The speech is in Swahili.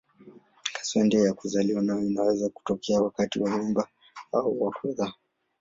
Kaswende ya kuzaliwa nayo inaweza kutokea wakati wa mimba au wa kuzaa.